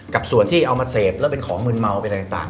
กับส่วนที่เอามาเสพแล้วเป็นของมืนเมาเป็นอะไรต่าง